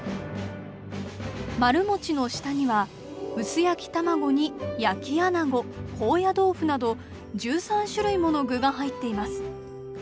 丸餅の下には薄焼き卵に焼きあなご高野豆腐など１３種類もの具が入っています。